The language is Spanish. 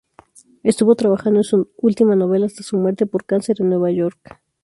Estuvo trabajando en su última novela hasta su muerte por cáncer en Nueva York.